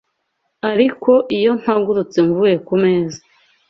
ariko iyo mpagurutse mvuye ku meza